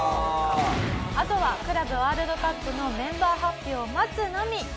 あとはクラブワールドカップのメンバー発表を待つのみ。